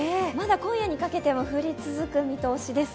今夜にかけても降り続く見通しです。